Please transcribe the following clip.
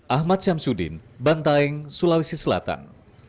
ahmad syamsuddin bantaeng sulawesi selatan